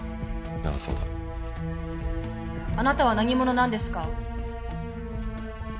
ああそうだあなたは何者なんですか？